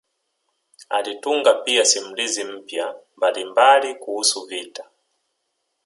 Alitunga pia simulizi mpya mbalimbali kuhusu vita